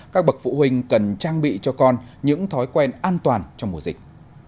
các bậc phụ huynh cần trang bị cho con những thói quen an toàn trong mùa dịch